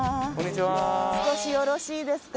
少しよろしいですか？